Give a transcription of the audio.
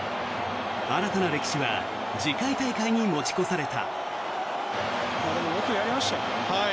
新たな歴史は次回大会に持ち越された。